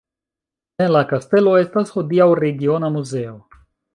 En la kastelo estas hodiaŭ regiona muzeo.